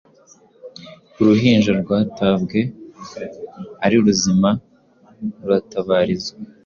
Uruhinja rwatabwe ari ruzima ruratabarizwa